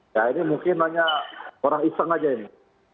ya ini mungkin hanya orang iseng aja ini